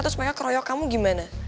terus mereka keroyok kamu gimana